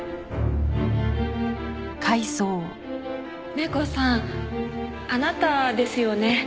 ネコさんあなたですよね？